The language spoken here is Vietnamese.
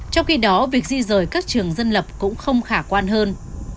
trong khi đó việc di rời các trường dân lập cũng không khả quan hơn